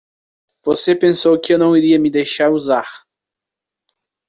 Você pensou que eu não iria me deixar usar